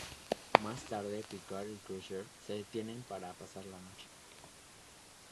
Más tarde, Picard y Crusher se detienen para pasar la noche.